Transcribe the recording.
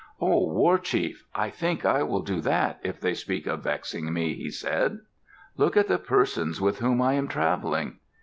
"O war chief, I think I will do that, if they speak of vexing me," he said. "Look at the persons with whom I am traveling.